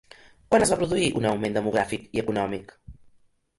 Quan es va produir un augment demogràfic i econòmic?